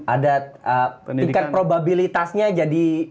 ada tingkat probabilitasnya jadi